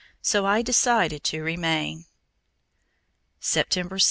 So I decided to remain. September 16.